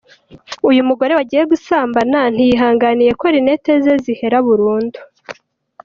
Uyu mugore wagiye gusambana, ntiyihanganiye ko linete ze zihera burundu.